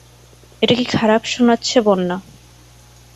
এটা কি খারাপ শোনাচ্ছে বন্যা।